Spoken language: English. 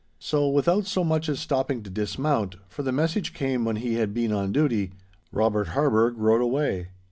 So, without so much as stopping to dismount, for the message came when he had been on duty, Robert Harburgh rode away.